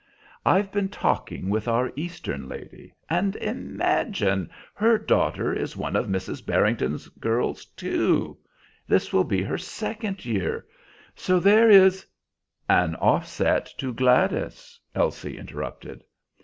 "I've been talking with our Eastern lady, and imagine! her daughter is one of Mrs. Barrington's girls too. This will be her second year. So there is" "An offset to Gladys," Elsie interrupted.